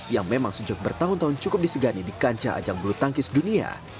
yang memang sejak bertahun tahun cukup disegani di kancah ajang bulu tangkis dunia